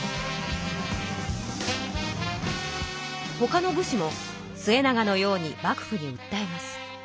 ほかの武士も季長のように幕府にうったえます。